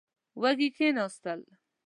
وږي کېناستل.